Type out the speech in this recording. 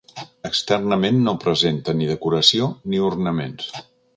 Externament no presenta ni decoració ni ornaments.